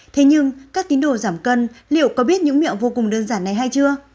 thế nhưng các tín đồ giảm cân liệu có biết những miệng vô cùng đơn giản này hay chưa